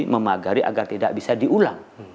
memagari agar tidak bisa diulang